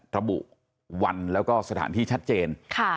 ระบุวันแล้วก็สถานที่ชัดเจน